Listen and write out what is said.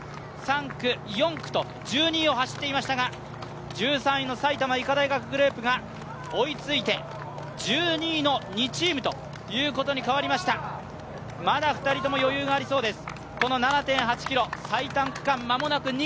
２区、３区、４区と１２を走っていましたが１３位の埼玉医科大学グループが追いついて２チームにかわりましたまだ２人とも余裕がありそうです。